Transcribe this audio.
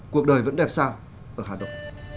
cuộc đời vẫn đẹp sao ở hà nội